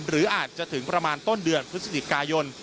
หรืออาจจะถึงประมาณต้นเดือนพฤศจิกายน